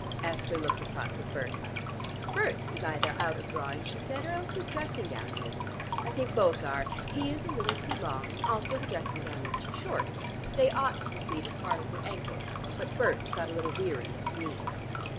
Esther looked across at Berts. "Berts is either out of drawing," she said, "or else his dressing gown is. I think both are: he is a little too long, and also the dressing gown is too short. They ought to proceed as far as the ankles, but Berts' got a little weary at his knees."